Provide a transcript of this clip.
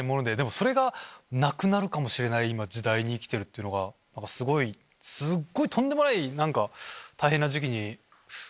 それがなくなるかもしれない時代に生きてるっていうのがすごいとんでもない。